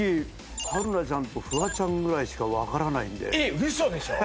春菜ちゃんとフワちゃんぐらいしか分からないんでえっ嘘でしょう？